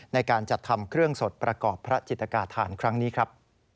ในการจัดทำเครื่องสดประกอบพระจิตกาธานครั้งนี้ครับ